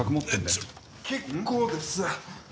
ちょっ結構です。